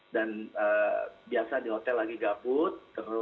biasa di hotel lagi gabut